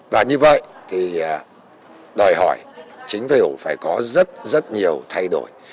và như vậy thì đòi hỏi chính phủ phải có rất rất nhiều thay đổi